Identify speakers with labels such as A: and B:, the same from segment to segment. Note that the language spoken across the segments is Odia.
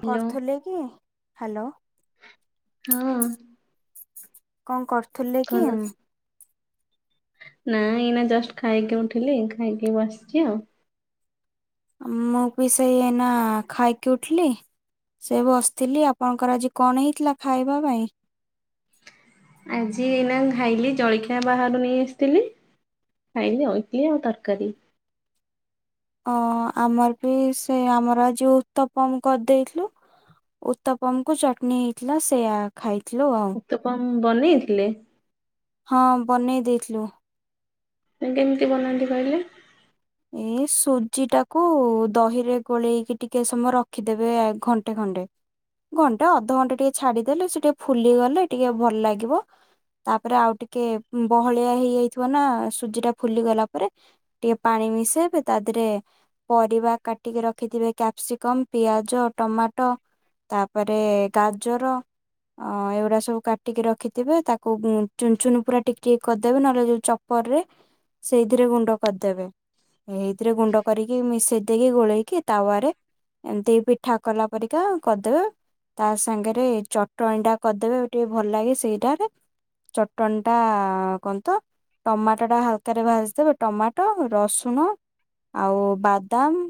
A: ହ୍ୟାଲୋ
B: କରୁଥିଲେ କି [inaudible] ହ୍ୟାଲୋ।
A: ହଁ
B: କଣ କରୁ ଥିଲେ କି
A: ନାଇ ଏଇନା ଜଷ୍ଟ ଖାଇକି ଉଠିଲି ଖାଇକି ଆସିଛି ଆଉ।
B: ମୁଁ ବି ସେଇନା ଖାଇକି ଉଠିଲି ସେ ବ ବସିଥିଲି ଆପଣଙ୍କର ଆଜି କଣ ହେଇଥିଲା ଖାଇବା ପାଇଁ?
A: ଆଜି ଏଇନା ଖାଇଲି ଜଳଖିଆ ବାହାରୁ ନେଇ ଆସିଥିଲି ଖାଇଲି ଇଡଲି ଆଉ ତରକାରୀ।
B: ଅ ଆମର ବି ସେ ଆମର ଯୋଉ ଉତ୍ତପମ କରିଦେଇଥିଲୁ ଉତ୍ତପମ କୁ ଚଟଣି ହେଇଥିଲା ସେୟା ଖାଇ ହଲୋ ଆଉ।
A: ହଁ ବନେଇଥିଲେ?
B: ହଁ ବନେଇ ଦେଇଥିଲୁ।
A: କେମିତି ବନାନ୍ତି କହିଲେ?
B: ଏଇ ସୁଜି ଟାକୁ ଦହିରେ ଗୋଳେଇକି ଟିକେ ସମୟ ରଖିଦେବେ ଘଣ୍ଟେ ଖଣ୍ଟେ ଘଣ୍ଟେ ଅଧଘଣ୍ଟେ ଟିକେ ଛାଡିଦେଲେ ସେ ଟିକେ ଫୁଲି ଗଲେ ଟିକେ ଭଲ ଲାଗିବ ତାପରେ ଆଉ ଟିକେ ବହଳିଆ ହେଇଯାଇଥିବ ନା ସୁଜି ଟା ଫୁଲି ଗଲା ପରେ ଟିକେ ପାଣି ମିଶାଇବେ ତା ଦେହରେ ପରିବା କାଟିକି ରଖିଥିବେ କ୍ୟାପ୍ସିକମ୍ ପିଆଜ ଟମାଟୋ ତାପରେ ଗାଜର ଏଗୁଡ଼ା ସବୁ କାଟିକି ରଖିଥିବେ ତାକୁ ଚୁନ ଚୁନ ପୁରା ଟିକ ଟିକ କରିଦେବେ ନହେଲେ ଯଉ ଚପର ରେ ସେଇଥିରେ ଗୁଣ୍ଡ କରିଦେବେ। ଏଇଥିରେ ଗୁଣ୍ଡ କରିକି ମିଶେଇ ଦେଇକି ଗୋଳେଇକି ତାୱରେ ଏମିତି ପିଠା କଲା ପରିକା କରିଦେବେ ତା ସାଙ୍ଗରେ ଚଟଣି ଟା କରିଦେବେ ଟିକେ ଭଲ ଲାଗେ ସେଇଟାରେ ଚଟଣି ଟା କଣତ ଟମାଟୋ ଟା ହାଲକାରେ ଭାଜିଦବେ ଟମାଟୋ ରସୁଣ ଆଉ ବାଦାମ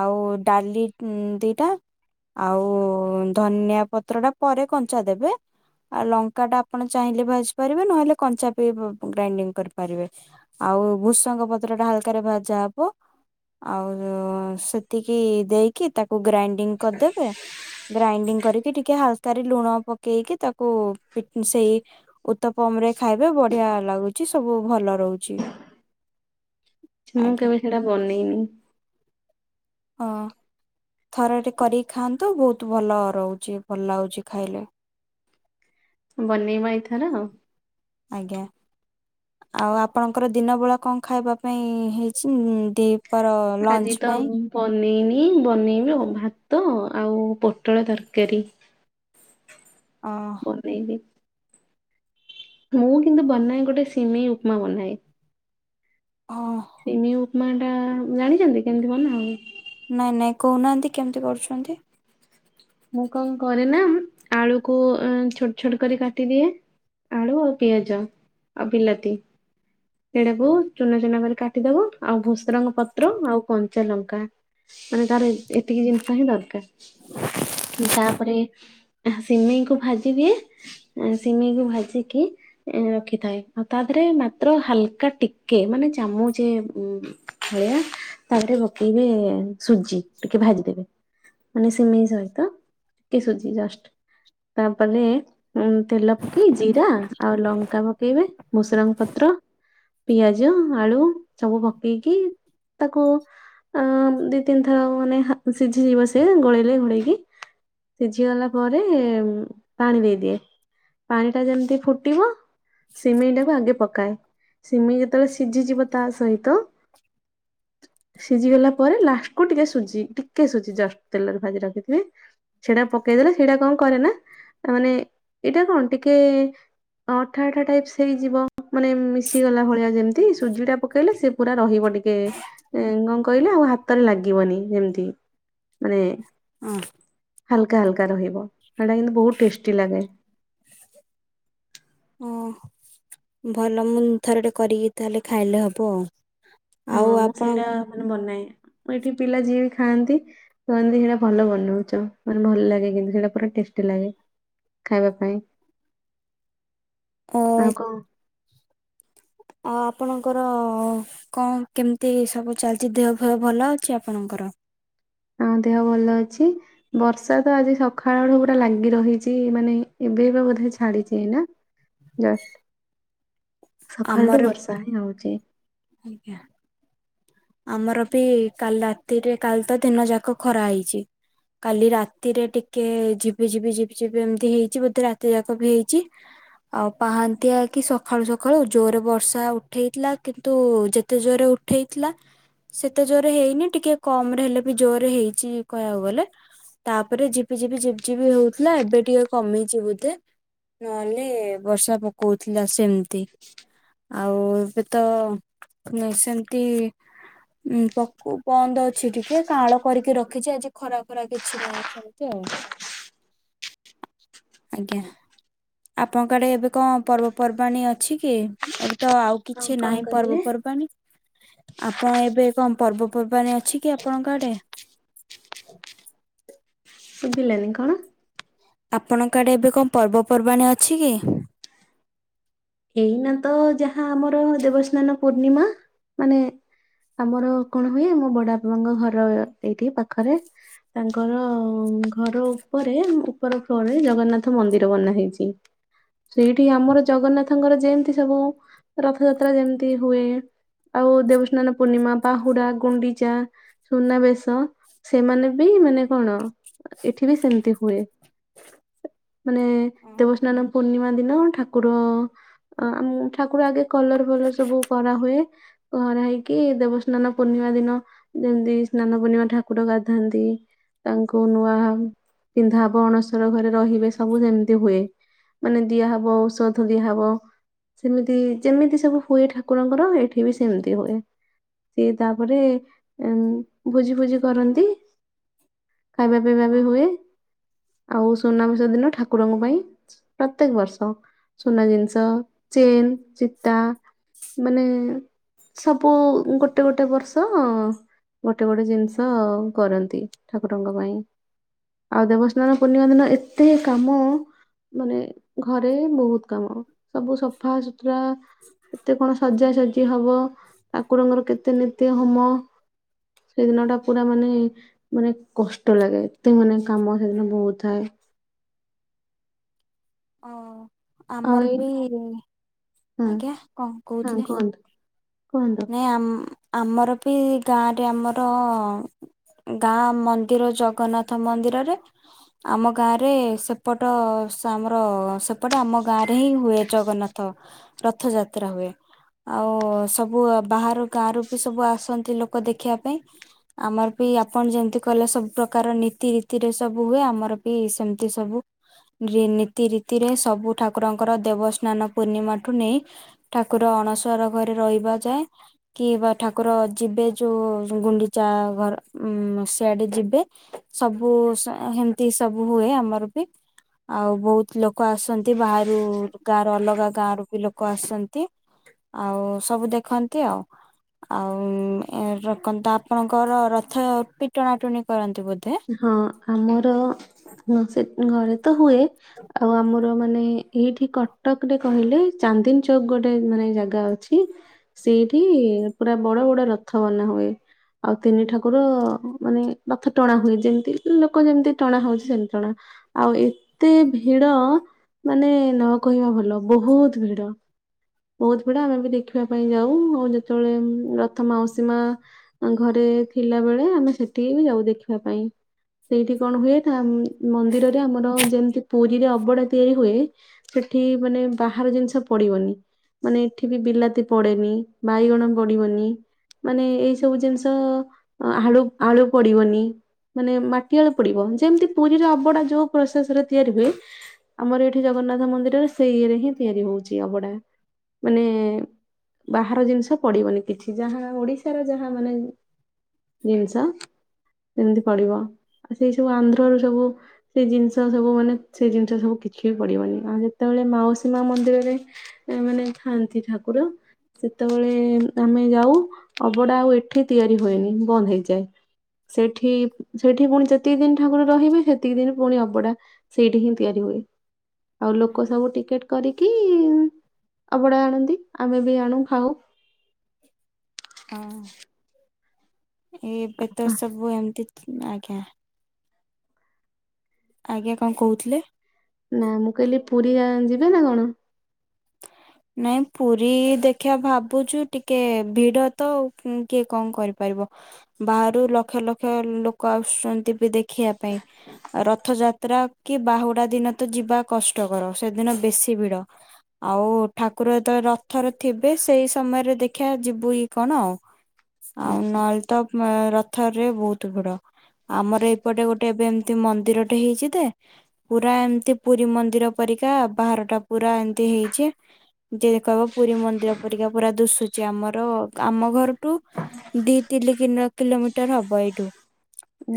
B: ଆଉ ଡାଲି ଦିଟା ଆଉ ଧନିଆ ପତ୍ର ଟା ପରେ କଞ୍ଚା ଦେବେ ଆଉ ଲଙ୍କା ଟା ଆପଣ ଚାହିଁଲେ ଭାଜି ପାରିବେ ନହେଲେ କଞ୍ଚା ବି ଗ୍ରାଇଣ୍ଡିଙ୍ଗ କରିପାରିବେ ଆଉ ଭୁସଙ୍ଗ ପ ଟା ହାଲ ଭାଜା ହବ ଆଉ ସେତିକି ଦେଇକି ତାକୁ ଗ୍ରାଇଣ୍ଡିଙ୍ଗ୍ କରିଦେବେ ଗ୍ରାଇଣ୍ତିଙ୍ଗ୍ କରି ଟିକେ ହାଲ୍କା ରେ ଲୁଣ ପକେଇକି ତାକୁ ସେଇ ଉତ୍ତପମ ରେ ଖାଇବେ ବଢିଆ ଲାଗୁଛି ସବୁ ଭଲ ରହୁଛି।
A: ମୁଁ
B: ଆଜ୍ଞା।
A: କେବେଳ ସେଟା ବନେଇନି।
B: ହଁ ଥରେ ଟେ କରିକି ଖାଆନ୍ତୁ ବହୁତ ଭଲ ରହୁଛି ଭଲ ଲାଗୁଛି ଖାଇଲେ।
A: ବନେଇବା ଏ ଥର ଆଉ।
B: ଆଜ୍ଞା ଆଉ ଆପଣଙ୍କର ଦିନ ବେଳା କଣ ଖାଇବା ପାଇଁ ହେଇଛି। ଲଞ୍ଚ
A: ଆଜି ତ
B: ପାଇଁ?
A: ବନେଇନି ହିଁ ବନେଇବି ଭାତ ଆଉ ପୋଟଳ ତରକାରୀ।
B: ଅ
A: ବନେଇବି ମୁଁ କିନ୍ତୁ ବନାଏ ଗୋଟେ ସିମେଇ ଉପମା ବନାଏ।
B: ହଁ।
A: ମାନ୍ ଟା ଜାଣିଛନ୍ତି କେମିତି ବନା ହୁଏ।
B: ନାଇଁ ନାଇଁ କହୁନାହାନ୍ତି କେମିତି କରୁଛନ୍ତି।
A: ମୁଁ କଣ କରେ ନା ଆଳୁକୁ ଛୋଟ ଛୋଟ କରି କାଟିଦିଏ ଆଳୁ ଆଉ ପିଆଜ ଆଉ ବିଲାତି। ସେଡ଼ାକୁ ଚୁନା ଚୁନା କରି କାଟିଦବ ଆଉ ଭସରଙ୍ଗ ପତ୍ର ଆଉ କଞ୍ଚା ଲଙ୍କା ମାନେ ତାର ଏତିକି ଜିନିଷ ହିଁ ଦରକାର ତାପରେ ସିମେଇକୁ ଭାଜି ଦିଏ ସିମେଇକୁ ଭାଜିକି ରଖିଥାଏ ଆଉ ତା ପରେ ମା ତ୍ର ହାଲକା ଟିକେ ମାନେ ଚାମଚେ ଭଳିଆ ତାପରେ ପକେଇବେ। ସୁଜି ଟିକେ ଭାଜିଦେବେ ମାନେ ସିମେଇ ସହିତ ଟିକେ ସୁଜି ଜଷ୍ଟ ତାପରେ। ଉ ତେଲ ପକେଇ ଜିରା ଆଉ ଲଙ୍କା ପକେଇବେ ଭୁସରଙ୍ଗ ପତ୍ର ପତ୍ର ପିଆଜ ଆଳୁ ସବୁ ପକେଇକି ତାକୁ ଦି ତିନିଥର ମାନେ ସିଝିଯିବ ସେ ଗୋଳେଇଲେ ଘୋଳେଇକି ସିଝି ଗଲା ପରେ ପାଣି ଦେଇଦିଏ ପାଣି ଟା ଯେମିତି ଫୁଟିବ ସିମେଇ ଟା‌ କୁ ଆଗେ ପ ସିମେଇ ଯେତେବେଳେ ସିଝିଯିବ ତା ସହିତ ସିଝି ଗଲା ପରେ ଲାଷ୍ଟ କୁ ଟିକେ ସୁଜି ଟିକେ ସୁଜି ଜଷ୍ଟ ତେଲରେ ଭାଜି ରଖିଥିବେ ସେଟା ପକେଇଦେଲେ ସେଇଟା କଣ କରେ ନା ତା ମାନେ ଏଇଟା କଣ ଟିକେ ଅଠା ଅଠା ଟାଇପସେ ହେଇଯିବ। ମାନେ ମିଶିଗଲା ଭଳିଆ ଯେମିତି ସୁଜି ଟା ପକେଇଲେ ସେ ପୁରା ରହିବ ଟିକେ କଣ କହିଲେ ଆଉ ହାତରେ ଲାଗିବନି ଯେମତି। ମନେ
B: ହଁ
A: ହାଲକା ହାଲକା ରହିବ ସେଟା କିନ୍ତୁ ବହୁତ ଟେଷ୍ଟି ଲାଗେ।
B: ଓ ଭଲ ମୁଁ ଥରେ ଟେ କରିକି ତାହେଲେ ଖାଇଲେ ହବ ଆଉ।
A: ହଁ
B: ଆଉ
A: ମୁଁ
B: ଆପଣ
A: ସେଇଟା ମାନେ ବନାଏ। ଏଠି ପିଲା ଯିଏ ବି ଖାଆନ୍ତି କହନ୍ତି ସେଇଟା ଭଲ ବନଉଛ ମାନେ ଭଲ ଲାଗେ କିନ୍ତୁ ସେଇଟା ପୁରା ଟେଷ୍ଟି ଲାଗେ ଖାଇବା ପାଇଁ।
B: ଅ
A: ଆଉ କଣ
B: ଆଉ ଆପଣଙ୍କର କଣ କେମିତି ସବୁ ଚାଲିଛି ଦେହ ଫେହ ଭଲ ଅଛି ଆପଣଙ୍କର?
A: ହଁ ଦେହ ଭଲ ଅଛି ବର୍ଷା ତ ଆଜି ସକାଳ ବେଳୁ ପୁରା ଲାଗି ରହିଛି ମାନେ ଏବେ ଏବେ ବୋଧେ ଛାଡିଛି ଏଇନା ଜଷ୍ଟ। ସକାଳଠୁ ବର୍ଷା ହିଁ ହଉଚି।
B: ଆଜ୍ଞା ଆମର ବି କାଲି ରାତିରେ କାଲି ତ ଦିନ ଯାକ ଖରା ହେଇଛି କାଲି ରାତିରେ ଟିକେ ଝିିବି ଝିିବି ଝିିବି ଝିିବି ଏମିତି ହେଇଛି ବୋଧେ ରାତି ଯାକ ବି ହେଇଛି ଆଉ ପାହାନ୍ତିଆ କି ସକାଳୁ ସକାଳୁ ଜୋରରେ ବର୍ଷା ଉଠେଇଥିଲା କି ତୁ ଯେତେ ଜୋରରେ ଉଠେଇଥିଲା ସେତେ ଜୋରରେ ହେଇନି ଟିକେ କମ ରେ ହେଲେ ବି ଜୋରରେ ହେଇଛି କହିବାକୁ ଗଲେ ତାପରେ ଝିପି ଝିପି ଝିପିଝିପି ହଉଥିଲା ଏବେ ଟିକେ କମେଇଛି ବୋଧେ ନହେଲେ ବର୍ଷା ପକଉଥିଲା ସେମିତି ଆଉ ଏବେ ତ ନଁ ସେମିତି ପ ବନ୍ଦ ଅଛି ଟିକେ କାଳ କରିକି ରଖିଛି ଆଜି ଖରା ଖରା କିଛି ନାହିଁ ସେମିତି ଆଉ ଆଜ୍ଞା। ଆପଣଙ୍କ ଆଡେ ଏବେ କଣ ପର୍ବପର୍ବାଣିୀ ଅଛି କି ଏବେ ତ ଆଉ
A: କଣ
B: କିଛି
A: କଣ
B: ନାହିଁ
A: କହିଲେ
B: ପର୍ବପର୍ବାଣିୀ ଆପଣ ଏବେ କଣ ପର୍ବପର୍ବାଣୀ ଅଛି କି ଆପଣଙ୍କ ଆଡେ?
A: ଶୁଭିଲାନି କଣ?
B: ଆପଣଙ୍କ ଆଡେ ଏବେ କଣ ପର୍ବପର୍ବାଣିୀ ଅଛି କି?
A: ଏଇନା ତ ଯାହା ଆମର ଦେବସ୍ନାନ ପୂର୍ଣ୍ଣିମା ମାନେ ଆମର କଣ ହୁଏ ଆମ ବଡ ବାପାଙ୍କ ଘର ଏଇଠି ପାଖରେ ତାଙ୍କର ଘର ଉପରେ ଉପର ଫ୍ଲୋରରେ ଜଗନ୍ନାଥ ମନ୍ଦିର ବନା ହେଇଛି ସେଇଠି ଆମର ଜଗନ୍ନାଥ ରଥଙ୍କର ଯେମିତି ସବୁ ରଥଯାତ୍ରା ଯେମିତି ହୁଏ ଆଉ ଦେବସ୍ନାନ ପୂର୍ଣ୍ଣିମା ବାହୁଡା ଗୁଣ୍ଡିଚା ସୁନାବେେଶ ସେମାନେ ବି ମାନେ କଣ ଏଠି ବି ସେମିତି ହୁଏ। ମାନେ ଦେବସ୍ନାନ ପୂର୍ଣ୍ଣିମା ଦିନ ଠାକୁର ଆ ଆମ ଠାକୁର ଆଗେ କଲର ଭଲଶ୍ ସବୁ କରାହୁଏ କରା ହେଇକି ଦେବସ୍ନାନ ପୂର୍ଣ୍ଣିମା ଦିନ ଯେମିତି ସ୍ନାନ ପୂର୍ଣ୍ଣିମା ଠାକୁର ଗାଧାନ୍ତି, ତାଙ୍କୁ ନୂଆ ହମ୍ ପିନ୍ଧା ହବ ଅଣସର ଘରେ ରହିବେ ସବୁ ଯେମିତି ହୁଏ, ମାନେ ଦିଆହବ ଔଷଧ ଦିଆ ହବ ସେମିତି ଯେମିତି ସବୁ ହୁଏ ଠାକୁରଙ୍କର ଏଠି ବି ସେମିତି ହୁଏ ସିଏ ତାପରେ ଏମ୍ ଭୋଜି ଫୋଜି କରନ୍ତି ଖାଇବା ପିଇବା
B: ଓ
A: ବି ହୁଏ। ଆଉ ସୁନା ବେଶ ଦିନ ଠାକୁରଙ୍କ ପାଇଁ ଚ୍ ପ୍ରତ୍ୟେକ ବର୍ଷ ସୁନା ଜିନିଷ ଚେନ୍ ଚିତା ମାନେ ସବୁ ଉ ଗୋଟେ ଗୋଟେ ବର୍ଷ ଗୋଟେ ଗୋଟେ ଜିନିଷ ଆଉ କରନ୍ତି ଠାକୁରଙ୍କ ପାଇଁ, ଆଉ ଦେବସ୍ନାନ ପୂର୍ଣ୍ଣିମା ଦିନ ଏତେ ଏ କାମ ମାନେ ଘରେ ବହୁତ କାମ ସବୁ ସଫା ସୁତୁରା କେତେ କଣ ସଜା ସଜ୍ କେ ହବ ଠାକୁରଙ୍କର କେତେ ନିତି ହୋମ, ସେ ଦିନ ଟା ପୁରା ମାନେ ମାନେ କଷ୍ଟ ଲାଗେ, ଏତେ ମାନେ କାମ ସେ ଦିନ ବହୁତ ଥାଏ।
B: ଓ।
A: ଆଉ
B: ଆମର
A: ଏଇ
B: ବି ଇ
A: ହଁ
B: ଆଜ୍ଞା କଣ
A: ହଁ
B: କହୁଥିଲେ
A: କୁହନ୍ତୁ କୁହନ୍ତୁ
B: ନାଇ ଆମ୍ ଆମର ବି ଇ ଗାଁରେ ଆମର ଅ ଗାଁ ମନ୍ଦିର ଜଗନ୍ନାଥ ମନ୍ଦିରରେ ଆମ ଗାଁରେ ସେପଟ ସାମ ର ଅ ସେପଟେ ଆମ ଗାଁ ରେ ହିଁ ହୁଏ ଜଗନ୍ନାଥ ରଥଯାତ୍ରା ହୁଏ, ଆଉ ଉ ସବୁ ବାହାର ଗାଁ ରୁ ବି ସବୁ ଆସନ୍ତି ଲୋକ ଦେଖିଆ ପାଇଁ ଆମର ବି ଆପଣ ଯେମିତି କହିଲେ ସବୁ ପ୍ରକାର ନୀତି ରୀତିରେ ସବୁ ହୁଏ ଆମର ବି ସେମିତି ସବୁ ରିନି ତି ରିତିରେ ସବୁ ଠାକୁରଙ୍କର ଦେବସ୍ନାନ ପୂର୍ଣ୍ଣିମା ଠୁ ନେଇ ଠାକୁର ଅଣସର ଘରେ ରହିବା ଯାଏ କି ବା ଠାକୁର ଯିବେ ଯୋ ଓ ଗୁଣ୍ଡିଚା ଆ ଘର ଉମ୍ ସିଆଡେ ଯିବେ ସବୁ ସେହ୍ ହେମିତି ସବୁ ହୁଏ ଆମର ବି ଆଉ ବହୁ ଲୋକ ଆସନ୍ତି ବାହାରୁ ଉ ଗାଁ ରୁ ଅଲଗା ଗାଁ ରୁ ବି ଲୋକ ଆସନ୍ତି ଆଉ ସବୁ ଦେଖନ୍ତି ଆଉ ଆଉ ଉ ଏ ରଖନ୍ତି ଆପଣଙ୍କର ରଥ ପି ଟଣା ଟଣି କରନ୍ତି। ବୋଧେ?
A: ହଁ ଆମର ହଁ ସେ ଘର ତ ହୁଏ ଆଉ ଆମ ର ମାନେ ଏଇଠି କଟକ୍ ରେ କହିଲେ ଚାନ୍ଦିନୀ ଚୌକ୍ ଗୋଟେ ମାନେ ଜାଗା ଅଛି ସେଇଠି ଇ ପୁରା ବଡ ବଡ ରଥ ବନା ହୁଏ ଆଉ ତିନି ଠାକୁର ଅ ମାନେ ରଥ ଟଣା ହୁଏ ଯେମିତି ମ୍ ଲୋକ ଯେମିତି ଟଣା ହଉଛି ସେମିତି ଟଣା ଆଉ ଏତେ ଭିଡ ମାନେ ନ କହିବା ଭଲ। ଲ ବହୁତ ଭିଡ। ବହୁତ ଭିଡ ଆମେ ବି ଦେଖିବା ପାଇଁ ଯାଉ ଉ, ଆଉ ଯେତେବେଳେ ଉମ୍ ରଥ ମାଉସୀ ମା ଘରେ ଥିଲା ବେଳେ ଆମେ ସେଠିକି ବି ଯାଉ ଦେଖିବା ପାଇଁ, ସେଇଠି କଣ ହୁଏ ଠାମ୍ ମନ୍ଦିରରେ ଆମର ଯେମିତି ପୁରୀରେ ଅବଡା ତିଆରି ହୁଏ ସେଠି ମାନେ ବାହାର ଜିନିଷ ପଡିବନି। ମାନେ ଏଠି ବି ବିଲାତି ପଡେନି, ବାଇଗଣ ପଡିବନି ମାନେ ଏଇ ସବୁ ଜିନିଷ ଅ ଆଳୁ ଆଳୁ ପଡିବନି, ମାନେ ମାଟି ଆଳୁ ପଡିବ, ଯେମିତି ପୁରୀରେ ଅବଡା ଯୋଉ ପ୍ରୋସେସ ରେ ତିଆରି ହୁଏ ଆମର ଏଠି ଜଗନ୍ନାଥ ମନ୍ଦିରରେ ସେଇରେ ହିଁ ତିଆରି ହଉଛି ଅବଢା। ମାନେ ଏ ବାହାର ଜିନିଷ ପଡିବନି। କିଛି ଯାହା ଓଡିଶାର ଯାହା ମାନେ ମ୍ ଜିନିଷ ସେମିତି ପଡିବ ସେଇ ସବୁ ଆନ୍ଧ୍ରରୁ ସବୁ ସେଇ ଜିନିଷ ସବୁ ମାନେ ସେ ଜିନିଷ ସବୁ କିଛି ବି ପଡିବନି ଆଉ ଯେତେବେଳେ ମାଉସୀ ମା ମନ୍ଦିରରେ ଆ ମାନେ ଥାଆନ୍ତି ଠାକୁର, ସେତେବେଳେ ଏ ଆମେ ଯାଉ, ଅବଡା ଆଉ ଏଠି ତିଆରି ହୁଏନି ବନ୍ଦ ହେଇଯାଏ ସେଠି ପ୍ ସେଠି ପୁଣି ଯେତିକି ଦିନ ଠାକୁର ରହିବେ ସେତିକି ଦିନ ପୁଣି ଅବଡା ସେଇଠି ହିଁ ତିଆରି ହୁଏ। ଆଉ ଲୋକ ସବୁ ଟିକେଟ୍ କରିକି ଇ ଆପଣ ଆଣନ୍ତି ଆମେ ବି ଆଣୁ ଖାଉ।
B: ହଁ। ଏ ଏବେ ତ ସବୁ ଏମିତି ମ୍ ଆଜ୍ଞା। ଆଜ୍ଞା କଣ କହୁଥିଲେ?
A: ନା ମୁଁ କହିଲି ପୁରୀ। ଯିବେ ନା କଣ?
B: ନାଇଁ ପୁରୀ ଦେଖିବା ଭାବୁଛୁ ଟିକେ ଭିଡ ତ କିଏ କଣ କରିପାରିବ ବାହାରୁ ଲକ୍ଷ ଲକ୍ଷ ଲୋକ ଆସୁଛନ୍ତି ବି ଦେଖିବା ପାଇଁ ରଥ ଯାତ୍ରା କି ବାହୁଡା ଦିନ ତ ଯିବା କଷ୍ଟକର ସେଦିନ ବେଶୀ ଭିଡ ଆଉ। ଠାକୁର ଯେତେବେଳେ ରଥରେ ଥିବେ ସେଇ ସମୟରେ ଦେଖିବା ଯିବୁ କି କଣ ଆଉ। ଆଉ ନହଲେ ତ। ରଥରେ ବହୁତ ଭିଡ ଆମର ଏପଟେ ଗୋଟେ ଏବେ ଏମିତି ମନ୍ଦିରଟେ ହେଇଛି ଯେ ପୁରା ଏମତି ପୁରୀ ମନ୍ଦିର ପରିକା ବାହାର ଟା ପୁରା ଏମତି ହେଇଛି। ଯେ କହିବ ପୁରୀ ମନ୍ଦିର ପରିକା ପୁରା ଦୁଶୁଛି ଆମର ଆମ ଘରଠୁ ଦି ତିନି କିଲ କିଲୋମିଟର ହବ ଏଇଠୁ।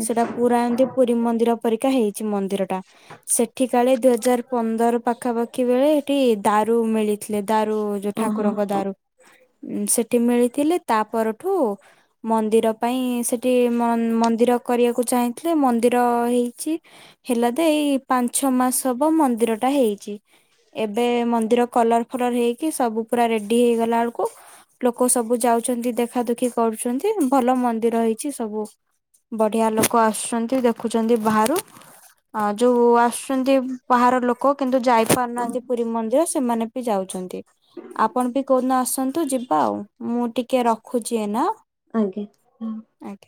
B: ସେଟା ପୁରା ଏମିତି ପୁରୀ ମନ୍ଦିର। ପରିକା ହେଇଛି ମନ୍ଦିର ଟା ସେଠି କାଳେ ଦୁଇ ହଜାର ପନ୍ଦର ପାଖାପାଖି ବେଳେ ଏଠି ଦାରୁ ମିଳି ଥିଲେ। ଦାରୁ ଯୋଉ ଠାକୁରଙ୍କ
A: ଓହୋ
B: ଦାରୁ। ଉ ସେଠି ମିଳିଥିଲେ ତା ପରଠୁ ମନ୍ଦିର ପାଇଁ ସେଠି ମନ୍ଦିର କରିବାକୁ ଚାହିଁଥିଲେ ମନ୍ଦିର ହେଇଛି ହେଲା ଦେ ଏଇ ପାଞ୍ଚ ଛ ମାସ ହବ ମନ୍ଦିର ଟା ହେଇଛି ଏବେ ମନ୍ଦିର କଲର। ଫଲର ହେଇକି ସବୁ ପୁରା ରେଡି ହେଇଗଲା ବେଳକୁ ଲୋକ ସବୁ ଯାଉଛନ୍ତି ଦେଖା ଦୁଖି କରୁଛନ୍ତି ଭଲ ମନ୍ଦିର ହେଇଛି ସବୁ ବଢିଆ ଲୋକ ଆସୁଛନ୍ତି ଦେଖୁଛନ୍ତି ବାହାରୁ ଆ ଯୋଉ ଆସ। ବାହାର ଲୋକ କିନ୍ତୁ ଯାଇ
A: ହଁ
B: ପାରୁନାହାନ୍ତି ପୁରୀ ମନ୍ଦିର। ମାନେ। ବି ଯାଉଛନ୍ତି। ଆପଣ ବି କୋଉଦିନ ଆସନ୍ତୁ ଯିବା ଆଉ ମୁଁ ଟିକେ। ଟିକଏ ରଖୁଛି ଏନା।
A: ଆଜ୍ଞା ହୁଁ ।
B: ଆଜ୍ଞା।